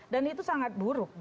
dan itu sangat buruk